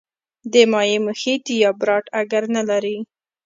د مایع محیط یا براټ اګر نه لري.